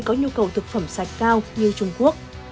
có nhu cầu thực phẩm sạch cao như trung quốc